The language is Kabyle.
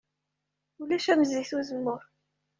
Ulac am zzit n uzemmur.